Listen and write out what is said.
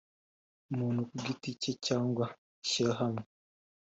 Umuntu ku giti cye cyangwa ishyirahamwe